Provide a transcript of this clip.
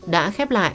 đã khép lại